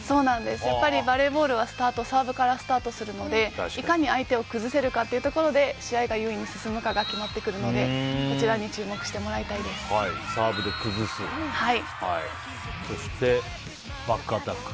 やっぱりバレーボールはサーブからスタートするのでいかに相手を崩せるかというところで試合が優位に進むかが決まってくるのでそして、バックアタック。